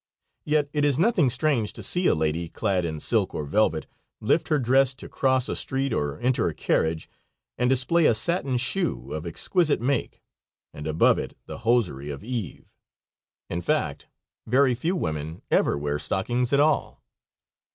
Yet it is nothing strange to see a lady clad in silk or velvet, lift her dress to cross a street or enter a carriage, and display a satin shoe of exquisite make and above it the hosiery of Eve. In fact, very few women ever wear stockings at all.